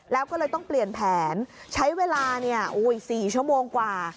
แล้วก็เลยต้องเปลี่ยนแผนใช้เวลา๔ชั่วโมงกว่า